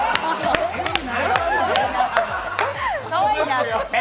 かわいいなって。